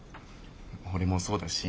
俺もそうだし。